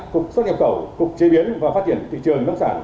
cục xuất nhập khẩu cục chế biến và phát triển thị trường nông sản